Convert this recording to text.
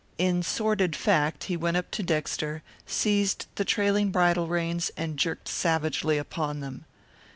In sordid fact he went up to Dexter, seized the trailing bridle reins and jerked savagely upon them.